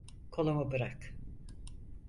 Kolumu bırak.